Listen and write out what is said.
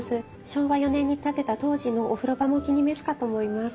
昭和４年に建てた当時のお風呂場もお気に召すかと思います。